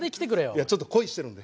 いやちょっと恋してるんで。